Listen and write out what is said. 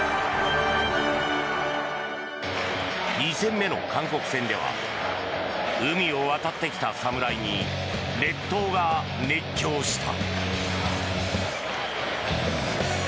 ２戦目の韓国戦では海を渡ってきた侍に列島が熱狂した。